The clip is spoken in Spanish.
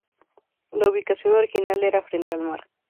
La ubicación original era frente al mar.